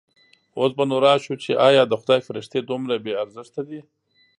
اوس به نو راشو چې ایا د خدای فرښتې دومره بې ارزښته دي.